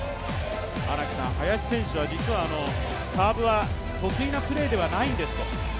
林選手は実はサーブは得意なプレーではないんですと。